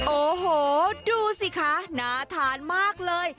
โอ้โหดูสิคะน่าทานมากเลย